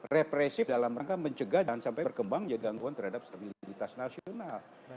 represif dalam rangka mencegah jangan sampai berkembangnya gangguan terhadap stabilitas nasional